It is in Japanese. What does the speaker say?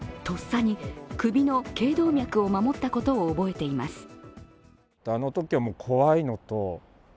とっさに首の頸動脈を守ったことを覚えています。